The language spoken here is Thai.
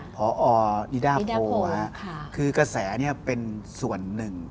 พอดิดาโพคือกระแสเป็นส่วนหนึ่ง